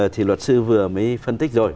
thì luật sư vừa mới phân tích rồi